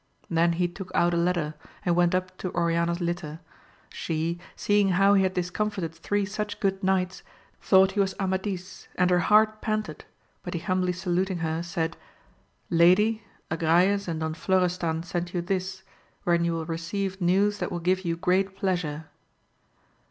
Then he took out a letter, and went up to Oriana's litter. She, seeing how he had discomfited three such good knights, thought he was Amadis, and her heart panted, but he humbly saluting her, said Lady, Agrayes and Don Florestan send you this, wherein you wiU receive news that will give you great pleasure.